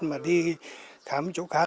mà đi khám chỗ khác